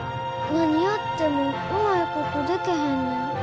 何やってもうまいことでけへんねん。